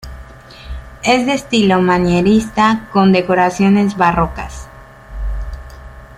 Es de estilo manierista con decoraciones barrocas.